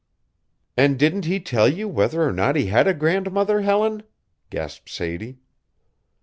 "And didn't he tell you whether or not he had a grandmother, Helen?" gasped Sadie.